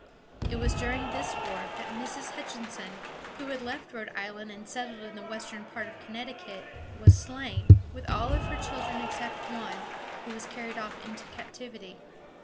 It was during this war that Mrs. Hutchinson, who had left Rhode Island and settled in the western part of Connecticut, was slain, with all her children except one, who was carried off into captivity.